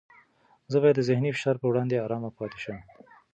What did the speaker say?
زه باید د ذهني فشار په وړاندې ارام پاتې شم.